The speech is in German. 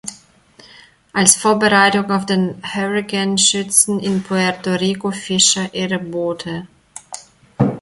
Als Vorbereitung auf den Hurrikan schützen in Puerto Rico Fischer ihre Boote.